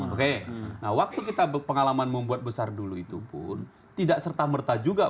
oke nah waktu kita pengalaman membuat besar dulu itu pun tidak serta merta juga